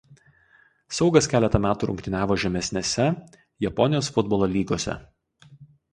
Saugas keletą metų rungtyniavo žemesnėse Japonijos futbolo lygose.